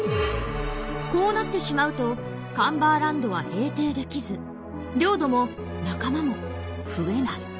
こうなってしまうとカンバーランドは平定できず領土も仲間も増えない。